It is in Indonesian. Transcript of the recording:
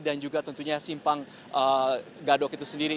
dan juga tentunya simpang gadok itu sendiri